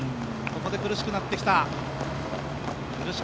ここで苦しくなってきた。